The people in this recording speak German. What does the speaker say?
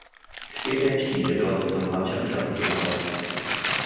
Später stieg er dort zum Mannschaftskapitän auf.